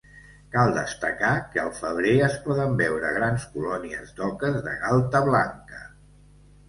Cal destacar que al febrer es poden veure grans colònies d'oques de galta blanca.